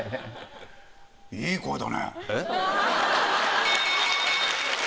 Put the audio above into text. いい声だね。